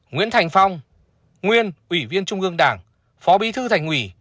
nguyễn thành phong nguyên ủy viên trung ương đảng phó bí thư thành ủy